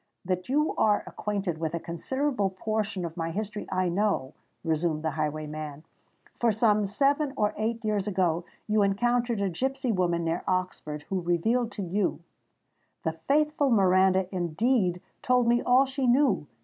"That you are acquainted with a considerable portion of my history, I know," resumed the highwayman; "for some seven or eight years ago you encountered a gipsy woman near Oxford, who revealed to you——" "The faithful Miranda indeed told me all she knew!"